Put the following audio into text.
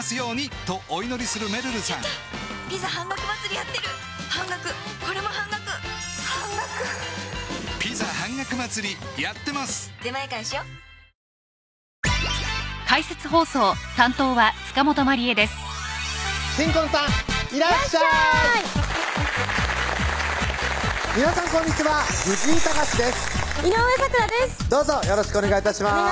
どうぞよろしくお願い致します